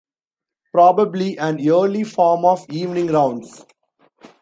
Probably an early form of evening rounds.